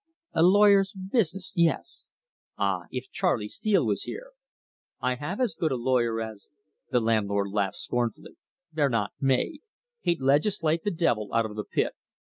"A lawyer's business yes." "Ah, if Charley Steele was here!" "I have as good a lawyer as " The landlord laughed scornfully. "They're not made. He'd legislate the devil out of the Pit.